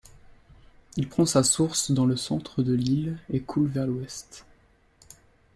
Il prend sa source dans le centre de l'île et coule vers l'ouest.